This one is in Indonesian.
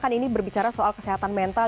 karena kan ini berbicara soal kesehatan mental